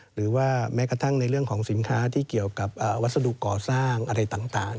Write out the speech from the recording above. หรือว่าแม้กระทั่งในเรื่องของสินค้าที่เกี่ยวกับวัสดุก่อสร้างอะไรต่าง